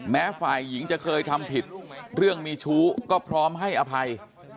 แม้ฝ่ายหญิงจะเคยทำผิดเรื่องมีชู้ก็พร้อมให้อภัย